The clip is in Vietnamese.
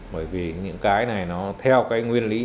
bởi vì những cái này nó theo cái nguyên lý